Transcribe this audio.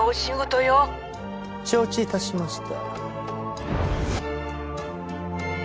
承知致しました。